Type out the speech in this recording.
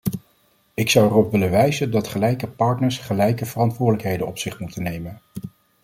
Ik zou erop willen wijzen dat gelijke partners gelijke verantwoordelijkheden op zich moeten nemen.